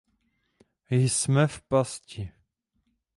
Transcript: Jsme v pasti.